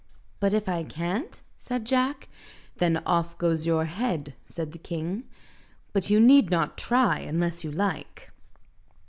"But if I can't?" said Jack. "Then off goes your head," said the king. "But you need not try unless you like."